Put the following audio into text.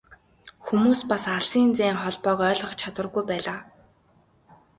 Хүмүүс бас алсын зайн холбоог ойлгох чадваргүй байлаа.